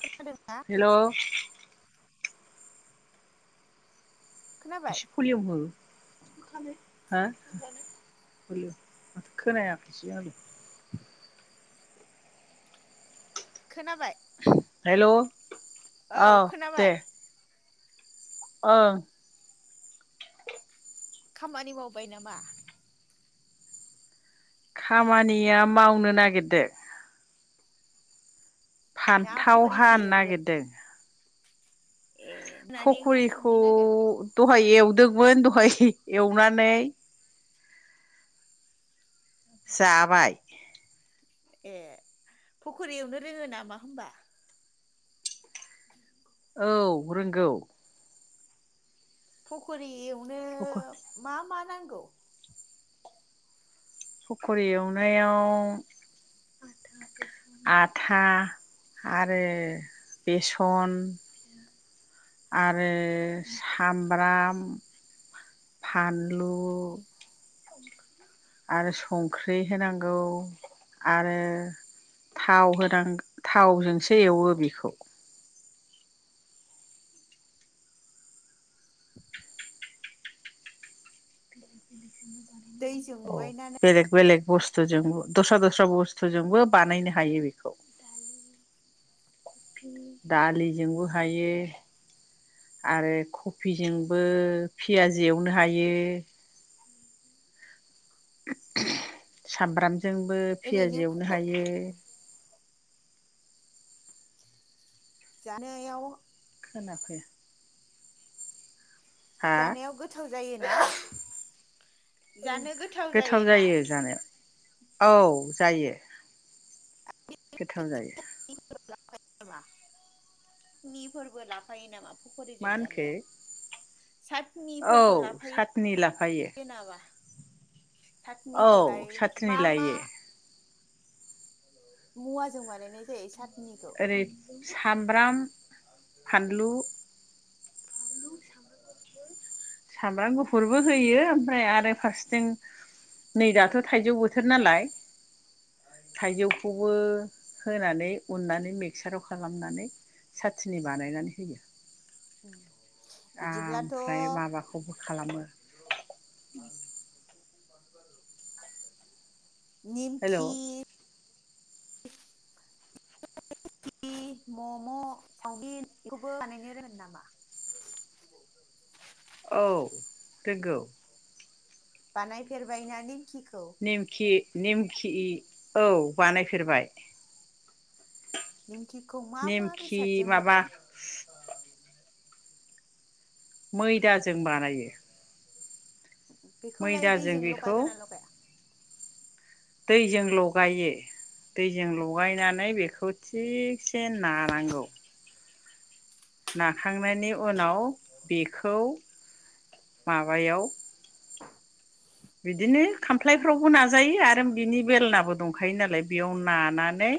खोनादोंना [inaudible] हेलौ खोनाबाय? एसे भलियाम हो हो हेलौ माथो खोनायासै आं खोनाबाय? हेलौ औ खोनाबाय। ओं खामानि मावबाय नामा? खामानिया मावनो नागिरदो। ना फान्थाव फखरिसो हानो एवदों। नागिरदों। ए मोनानि ओंखाम फखरिखौ संनो नागिरबाय द दहाय एवदोंमोन, दहाय एवनानै जाबाय। ए फख'रि एवनो रोङो नामा होनबा? औ, रोंगौ। फखरी एव नो मा मा नांगौ? फख'रि एवनायाव आथा आरो बेसन आरो सामब्राम फानलु आरो संख्रि होनांगौ आरो थाव होनां दाइव थावजोंसो एवो बेखौ। दैजों औ, लगायनानै बेलेग बेलेग बुस्थुजोंबो, दस्रा-दस्रा बुस्थुजोंबो बानायनो हायो बेखौ दालिजोंबो हायो आरो कफिजोंबो पियाज एवनो हायो। सामब्राम जोंबो ओरैनो पियाजि फख' एवनो हायो। रि जानायाव खोना फैया जानायाव गोथाव जायो [unintelligible] गोथाव जायो जानो औ। जायो। गोथाव जायो। [unintelligible] नि फोरबो लाफायो नामा? मा फख'रिजों होनखो जानायाव? औ, सातनि लाफा जेनेबा औ सतनिखौलाय सातनि मा मा लायो मुवाजों बानायनाय जायो सात ओरै सामब्राम, फानलु, [inaudible] सामब्राम गुफु फुरबो होयो ओमफ्राय आरो फारसेथिं नै दाथ' थाइजौ बोथोर नालाय थाइजौखौबो होनानै उननानै मिक्साराव खालामनानै सातनि बानायनानै होयो। बिदिब्लाथ' ओमफ्राय माबाखौ खौबो खालामो। [inaudible] नेमखि हेलौ नेमखौ, मम', सावमिन बेखौबो बानायनो रोङो नामा? औ रोंगौ। बानाय फेरबाय नानि नेमखि नेमखि औ बानायफेरबाय। निमखिखौ मा मा निमखि बेसादजों माबा बानायो? मैदाजों बानायो। बेखौलाय मैदाजों दैजों बेखौ लगायगोन ना लगाया? दैजों लगायो दैजों लगायनानै बेखौ थिगसे नानांगौ ना खांनायनि उनाव बेखौ माबायाव बिदिनो खामफ्लायफ्रावबो नाजायो आरो बिनि बेलनाबो दंखायो नालाय बेयाव नानानै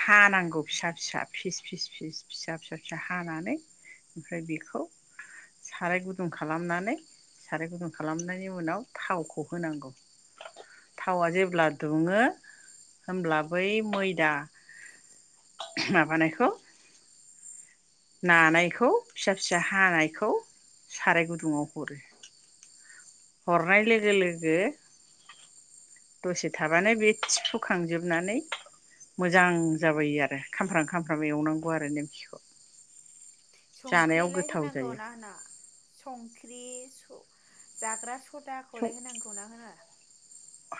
हानांगौ फिसा फिसा फिस फिस फिस फिसा फिसा फिसा हानानै ओमफ्राय बेखौ साराय गुदुं खालामनानै साराय गुदुं खालामनाय नि उनाव थावखौ होनांगौ थावा जेब्ला दुङो होब्ला बै मैदा माबानायखौ नानायखौ फिसा फिसा हानायखौ साराय गुदुङाव हरो हरनाय लोगो लोगो दसे थाबानो बे थिफु खांजोबनानै मोजां जाबोयो आरो खामफ्राम खामफ्राम एवनांगौ आरो नेमखिखौ। जानायाव संख्रिलाय गोथाव होनांगौ ना जायो होनाङा सं ख्रि जाग्रा सदाखौलाय होनांगौ ना होनाङा?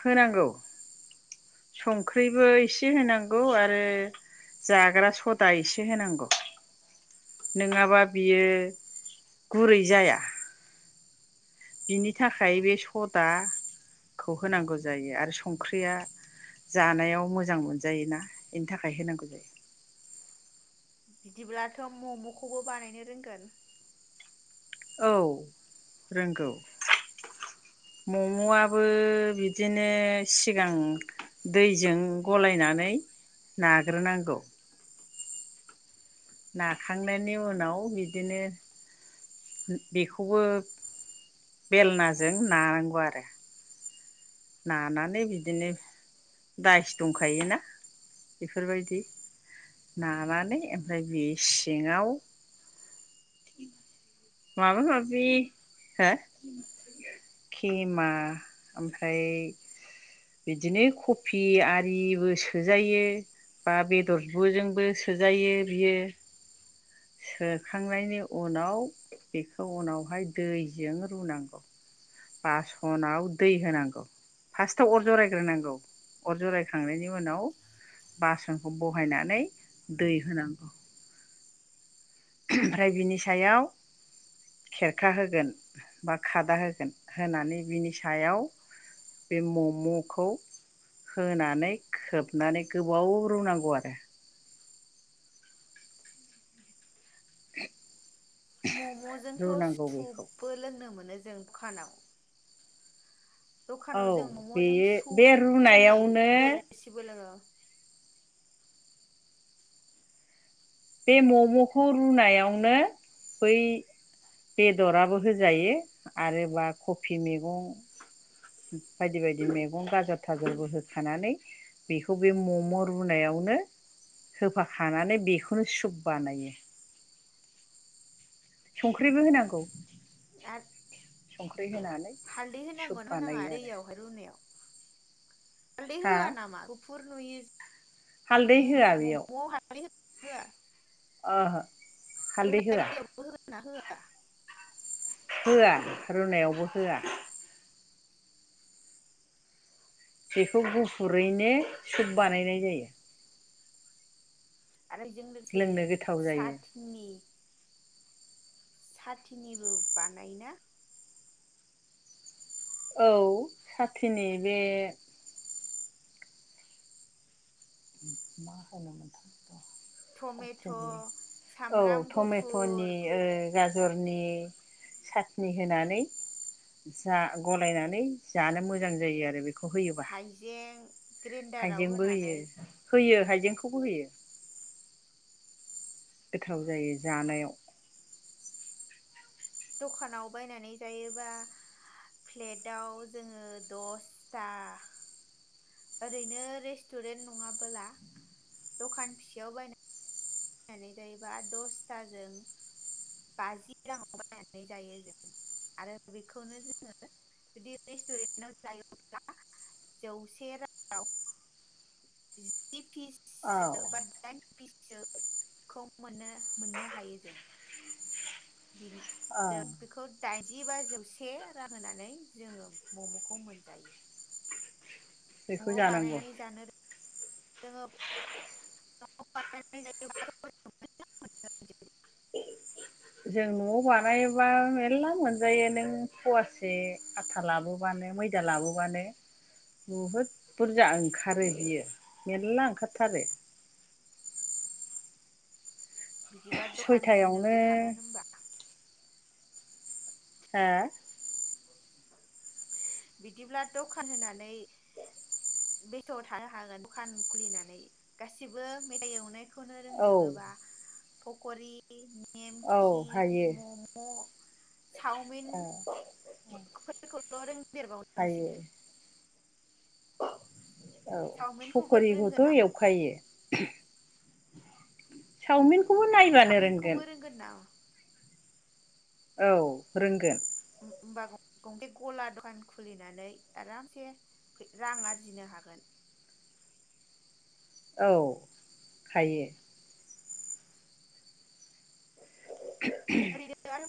होनांगौ संख्रिबो एसे होनांगौ आरो जाग्रा सदा एसे होनांगौ। नङाबा बियो गुरै जाया बिनि थाखाय बे सदाखौ होनांगौ जायो आरो संख्रिया जानायाव मोजां मोनजायोना बेनि थाखाय होनांगौ जायो बिदिब्लाथ' मम'खौबो बानायनो रोंगोन औ रोंगौ मम'आबो बिदिनो सिगां दैजों गलायनानै नाग्रोनांगौ नाखांनायनि उनाव बिदिनो बेखौबो बेलनाजों नानांगौ आरो नानानै बिदिनो दाइस दंखायोना बेफोरबायदि नानानै ओमफ्राय बे सिङाव माबा माबि हो केमा ओमफ्राय बिदिनो कफि आरिबो सोजायो बा बेदरजोंबो सोजायो बियो सोखांनायनि उनाव बेखौ उनावहाय दैजों रुनांगौ बासनाव दै होनांगौ फार्स्टआव अर जरायग्रोनांगौ अर जरायखांनायनि उनाव बासनखौ बहायनानै दै होनांगौ ओमफ्राय बिनि सायाव खेरखा होगोन बा खादा होगोन होनानै बिनि सायाव बे मम'खौ होनानै खोबनानै गोबाव रुनांगौ आरो [inaudible] मम'जोंथ' रुनांगौ बेखौ सुपबो लोंनो मोनो जों दखानाव दखानाव औ जों मम' बेयो बे सुफ होननाय रुनायावनो दै रोसिबो लोङो बे मम'खौ रुनायावनो बै बेदराबो होजायो आरो बा कफि मैगं बायदि बायदि मैगं गाजर थाजरबो होखानानै बेखौ बे मम' रुनायावनो होफाखानानै बेखौ नो सुब बानायो संख्रिबो होनांगौ आरो संख्रि होनानै हालदै सुप होनांगोन ना होनाङा बानायो आरो दैयावहाय रुनायाव? हालदै हा होआ नामा? नुयो हालदै जे होआ बेयाव हालदै होआ ओहो हालदै होआ ना होआ होआ रुनायावबो होआ बेखौ गुफुरैनो सुप बानायनाय जायो आरो बेजों लोगोसे लोंनो गोथाव जायो साथिनि साथिनिबो बानायोना औ साथिनि बे मा खालामनो टमेट' साथ'नि [inaudible] औ सामब्राम गुफुर टमेट'नि ओ गाजरनि सा- नि होनानै गलायनानै जानो मोजां जायो आरो बे हाइजें ग्रेन्डाराव हाइजेंबो होयो होनानै होयो हाइजेंखौबो होयो गोथाव जायो जानायाव दखानाव बायनानै जायोबा फ्लेटाव जोङो दसथा ओरैनो रेस्टुरेन्ट नङाबोला दखान फिसायाव बायनानै नानै जायोबा दसथाजों बाजि राङाव बायनानै जायो जों आरो बेखौनो जोङो जुदि रेस्टुरेन्टआव जायोब्ला जौसे राङाव जि फिस औ बा दायेन फिससोखौ मोननो हायो जों। औ बे बेखौ दाइनजि बा जौसे रां होनानै जोङो मम'खौ मोनजायो। बेखौ न'आव जानांगौ बानायनाय जानो रों जोङो [unintelligible] जों न'आव बानायोबा मेरला मोनजायो नों फवासे आथा लाबोबानो मैदा लाबोबानो बहुद बुरजा ओंखारो बियो मेरला ओंखारथारो। बिदिबा दखान सयथायावनो होनोबो हागोन होनबा? हो बिदिब्ला दखान होनानै बेथ'आव थानो हागोन दखान खुलिनानै गासिबो मेथाइ एवनाय खौनो औ रोंजोबोबा फखरि औ नेमखि हायो मम' चावमिन ओ फोरखौल' रोंदेरबावनांसिगोन। हायो [inaudible] औ चावमिनखौबो फखरिखौथ' रोंगोन नामा एवखायो। चावमिन साविनखौबो रोंगोन नामा? औ रोंगोन। होमबा गंसे गला दखान खुलिनानै आरामसे रां आरजिनो हागोन। औ थायो। आरैनो [unintelligible]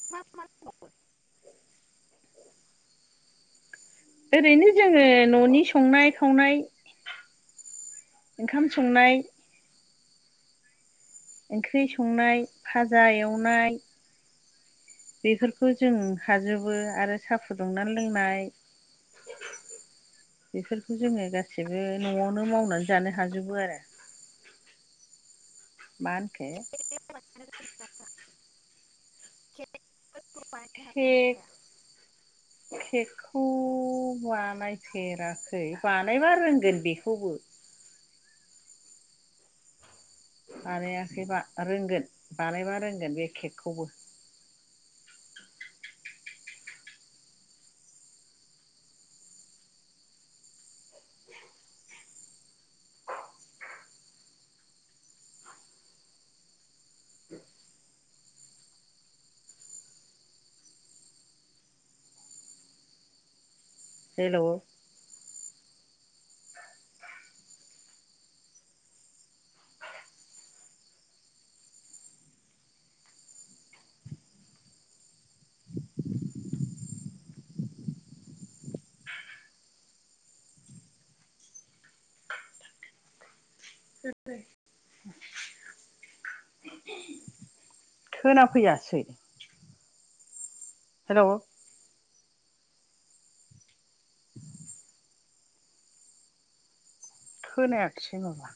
ओरैनो जोङो ननि संनाय खावनाय ओंखाम संनाय ओंख्रि संनाय फाजा एवनाय बेफोरखौ जों हाजोबो आरो साहा फुदुंना लोंनाय बेफोरखौ जोङो गाससिबो नआवनो मावनानै जानो हाजोबो आरो। माहोनखो [unintelligible] हागोन ना हाया केक केकखौ खौ बानायफेराखै बानायबा रोंगोन बेखौबो। बानायाखैबा रोंगोन बानायबा रोंगोन बे केकखौबो। हेलौ खोना फैयासै। हेलौ खौनायाखसै माबा।